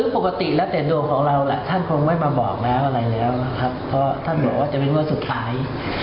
เพราะท่านบอกว่าจะเป็นวันสุดท้าย